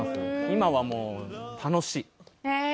今は、もう楽しい。